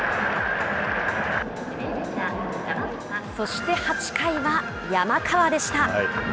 そして８回は山川でした。